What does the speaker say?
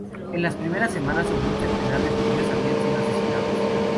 En las primeras semanas sobre un centenar de judíos habían sido asesinados.